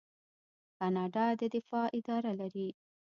کاناډا د دفاع اداره لري.